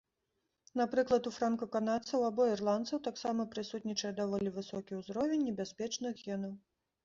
Напрыклад у франка-канадцаў або ірландцаў таксама прысутнічае даволі высокі ўзровень небяспечных генаў.